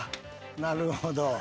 なるほど。